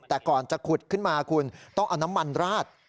แต่ก่อนจะขุดขึ้นมาคุณต้องเอาน้ำมันราด